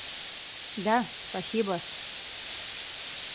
Да, спасибо.